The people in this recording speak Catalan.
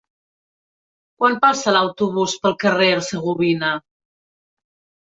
Quan passa l'autobús pel carrer Hercegovina?